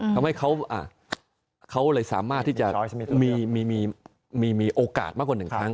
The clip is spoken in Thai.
ทำให้เขาเลยสามารถที่จะมีโอกาสมากกว่า๑ครั้ง